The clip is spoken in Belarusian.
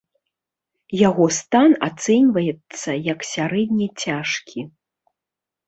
Яго стан ацэньваецца яе сярэдне цяжкі.